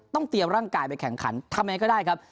เตรียมร่างกายไปแข่งขันทำยังไงก็ได้ครับ